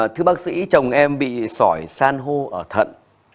thưa bác sĩ chồng em bị sỏi san hô ở thận